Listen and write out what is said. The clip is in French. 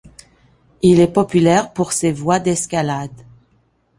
Il est populaire pur ses voies d'escalade.